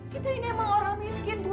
kita ini emang orang miskin bu